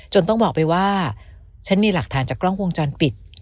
ต้องบอกไปว่าฉันมีหลักฐานจากกล้องวงจรปิด